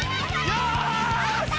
よし！